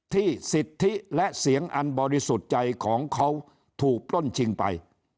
สิทธิและเสียงอันบริสุทธิ์ใจของเขาถูกปล้นชิงไป